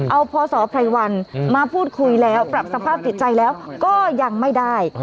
เอาพศไพรวันมาพูดคุยแล้วปรับสภาพจิตใจแล้วก็ยังไม่ได้